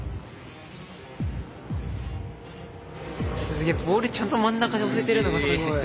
すげえボールちゃんと真ん中に押せてるのがすごい。